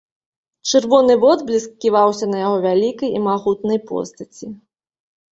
Чырвоны водбліск ківаўся на яго вялікай і магутнай постаці.